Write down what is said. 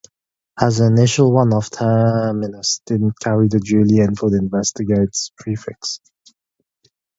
As an initial one-off, Terminus didn't carry the 'Julie Enfield Investigates' prefix.